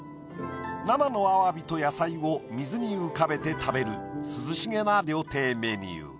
生のアワビと野菜を水に浮かべて食べる涼しげな料亭メニュー。